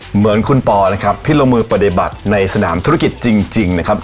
เหมือนคุณปอนะครับที่ลงมือปฏิบัติในสนามธุรกิจจริงนะครับ